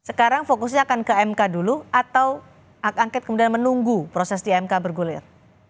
sekarang fokusnya akan ke mk dulu atau hak angket kemudian menunggu proses di mk bergulir